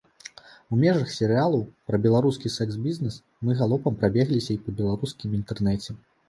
У межах серыялу пра беларускі сэкс-бізнес мы галопам прабегліся і па беларускім інтэрнэце.